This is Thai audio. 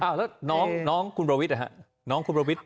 อ้าวแล้วน้องน้องคุณประวิทย์อะฮะน้องคุณประวิทย์